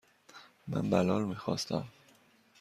من بلال میخواستم.